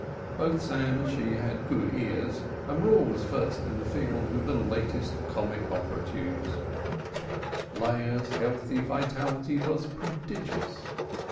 Both Sam and she had good ears, and were always first in the field with the latest comic opera tunes. Leah's healthy vitality was prodigious.